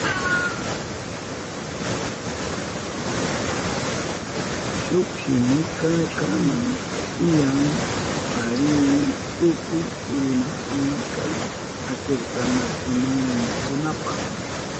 Shuk shimika kanan tiyan parihu tukuy runarayku asirtanakunankunapa.